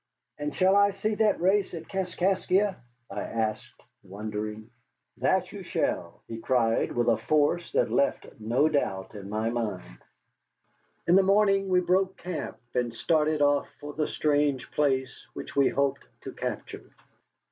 "And shall I see that race at Kaskaskia?" I asked, wondering. "That you shall," he cried, with a force that left no doubt in my mind. In the morning we broke camp and started off for the strange place which we hoped to capture.